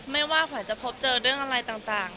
ไม่ว่าขวัญจะพบเจอเรื่องอะไรต่าง